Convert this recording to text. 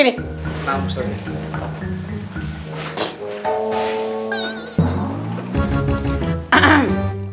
pindah ke sini